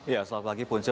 ya selamat pagi punca